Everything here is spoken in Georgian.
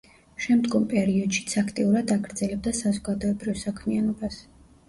შემდგომ პერიოდშიც აქტიურად აგრძელებდა საზოგადოებრივ საქმიანობას.